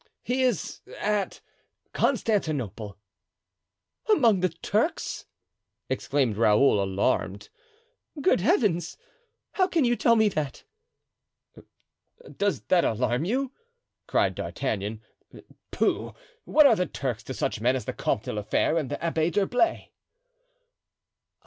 "He is at Constantinople." "Among the Turks!" exclaimed Raoul, alarmed. "Good heavens! how can you tell me that?" "Does that alarm you?" cried D'Artagnan. "Pooh! what are the Turks to such men as the Comte de la Fere and the Abbé d'Herblay?"